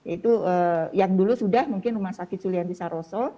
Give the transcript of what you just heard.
itu yang dulu sudah mungkin rumah sakit sulianti saroso